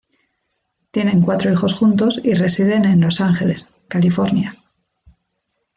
Tienen cuatro hijos juntos y residen en Los Ángeles, California.